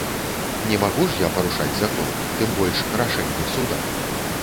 Не магу ж я парушаць закон, тым больш, рашэнне суда.